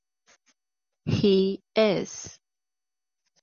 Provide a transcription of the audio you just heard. He is.